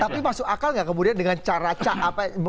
tapi masuk akal gak kemudian dengan cara cara apa